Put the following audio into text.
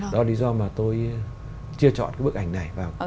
đó là lý do mà tôi chia chọn cái bức ảnh này vào